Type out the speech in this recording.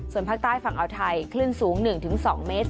ส่วนภาคใต้ฝั่งอาวไทยคลื่นสูง๑๒เมตร